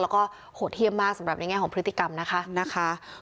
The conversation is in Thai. แล้วก็โหดเยี่ยมมากสำหรับในแง่ของพฤติกรรมนะคะ